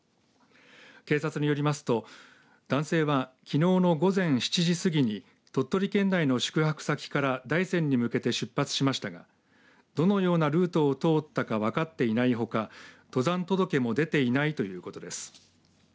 警察によりますと男性はきのうの午前７時過ぎに鳥取県内の宿泊先から大山に向けて出発しましたがどのようなルートを通ったか分かっていないほか登山届も出ていないということです。